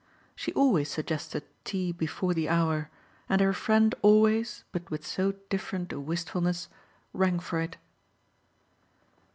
She always suggested tea before the hour, and her friend always, but with so different a wistfulness, rang for it.